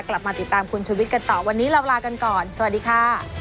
กลับมาติดตามคุณชุวิตกันต่อวันนี้เราลากันก่อนสวัสดีค่ะ